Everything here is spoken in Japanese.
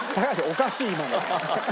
おかしい今のは。